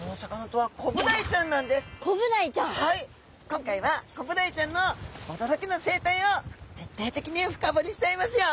今回はコブダイちゃんのおどろきの生態を徹底的に深ぼりしちゃいますよ！